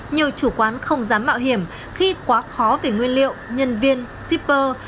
nhiều chủ quán không dám mạo hiểm khi quá khó về nguyên liệu nhân viên shipper